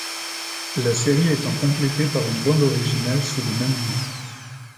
La série étant complétée par une bande originale sous le même nom.